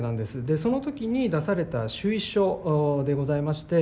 でそのときに出された趣意書でございまして。